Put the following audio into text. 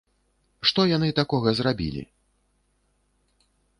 Што яны такога зрабілі?